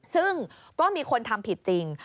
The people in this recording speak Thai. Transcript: ซึ่งก็มีคนทำผิดจริง